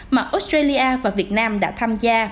mà australia và việt nam đã tham gia